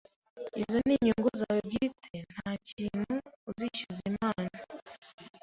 izo nin inyungu zawe bwite nta kintu uzishyuza Imana .